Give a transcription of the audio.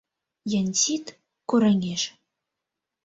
Янсит кораҥеш.